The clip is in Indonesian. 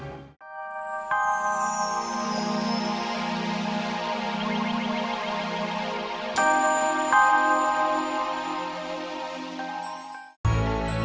sty terima kasih bapak dan sihan wild